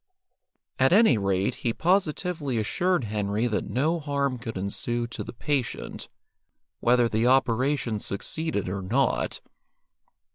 At any rate, he positively assured Henry that no harm could ensue to the patient, whether the operation succeeded or not.